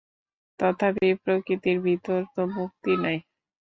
তথাপি প্রকৃতির ভিতর তো মুক্তি নাই।